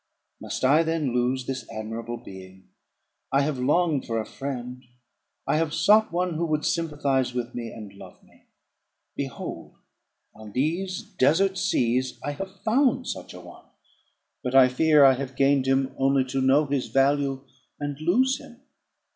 Must I then lose this admirable being? I have longed for a friend; I have sought one who would sympathise with and love me. Behold, on these desert seas I have found such a one; but, I fear, I have gained him only to know his value, and lose him.